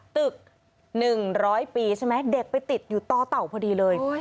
ตึก๑๐๐ปีใช่ไหมเด็กไปติดอยู่ต่อเต่าพอดีเลย